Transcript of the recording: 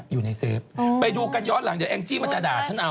อยู่ในเซฟไปดูกันย้อนหลังเดี๋ยวแองจี้มันจะด่าฉันเอา